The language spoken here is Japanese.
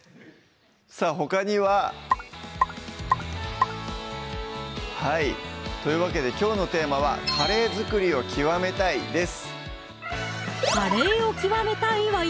さぁほかにははいというわけできょうのテーマは「カレー作りを極めたい」です